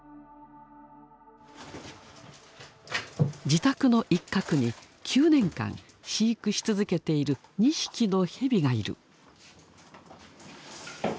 自宅の一角に９年間飼育し続けている２匹のヘビがいる。